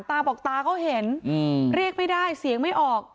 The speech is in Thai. ตาบอกตาเขาเห็นเรียกไม่ได้เสียงไม่ออก